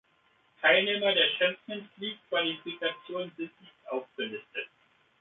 Teilnehmer der Champions-League-Qualifikation sind nicht aufgelistet.